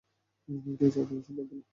কী চাও তুমিই সিদ্ধান্ত নাও!